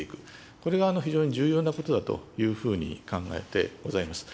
これが非常に重要なことだというふうに考えてございます。